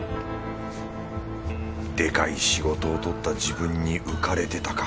でかい仕事を取った自分に浮かれてたか。